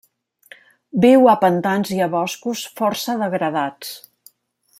Viu a pantans i a boscos força degradats.